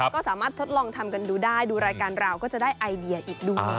ก็สามารถทดลองทำกันดูได้ดูรายการเราก็จะได้ไอเดียอีกด้วย